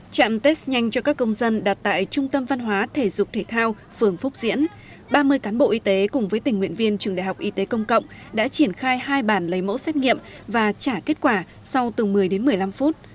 chạm test nhanh cho các công dân đặt tại trung tâm văn hóa thể dục thể thao phường phúc diễn ba mươi cán bộ y tế cùng với tình nguyện viên trường đại học y tế công cộng đã triển khai hai bản lấy mẫu xét nghiệm và trả kết quả sau từ một mươi đến một mươi năm phút